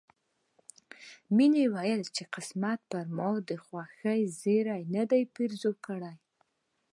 مينې وويل چې قسمت پر ما د خوښۍ زيری نه دی پيرزو کړی